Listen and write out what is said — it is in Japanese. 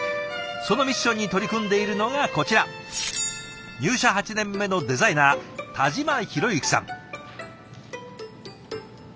そのミッションに取り組んでいるのがこちら入社８年目のデザイナー田嶋宏行さん。